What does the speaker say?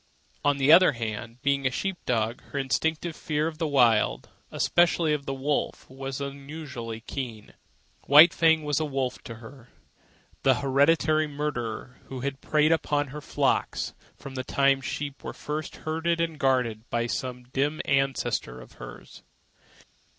On the other hand, being a sheep dog, her instinctive fear of the Wild, and especially of the wolf, was unusually keen. White Fang was to her a wolf, the hereditary marauder who had preyed upon her flocks from the time sheep were first herded and guarded by some dim ancestor of hers.